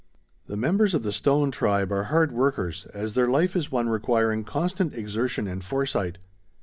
"The members of the Stone tribe are hard workers, as their life is one requiring constant exertion and foresight.